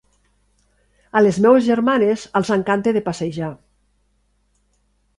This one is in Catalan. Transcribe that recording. A les meves germanes, els encanta de passejar.